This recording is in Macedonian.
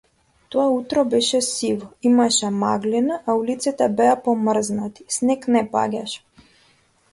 Тоа утро беше сиво, имаше маглина, а улиците беа помрзнати, снег не паѓаше.